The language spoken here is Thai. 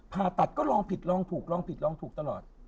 ผ่าตัดก็ลองผิดลองถูกลองผิดลองถูกตลอด